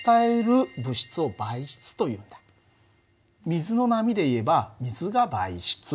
水の波でいえば水が媒質。